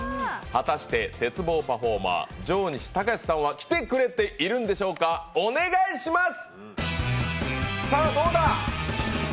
果たして鉄棒パフォーマー上西隆史さんは来てくれているでしょうか、お願いします。